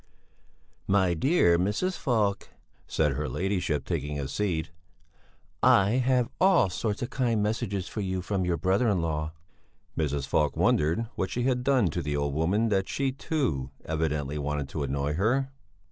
"My dear Mrs. Falk," said her ladyship taking a seat; "I have all sorts of kind messages for you from your brother in law." Mrs. Falk wondered what she had done to the old woman that she, too, evidently wanted to annoy her.